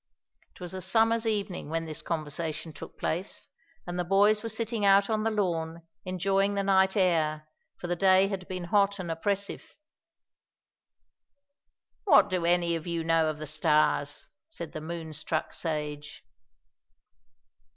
It was a summer's evening when this conversation took place and the boys were sitting out on the lawn enjoying the night air, for the day had been hot and oppressive. "What do any of you know of the Stars?" said the Moon Struck Sage.